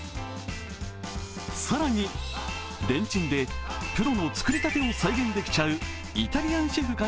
更に、レンチンでプロの作りたてを再現できちゃうイタリアンシェフ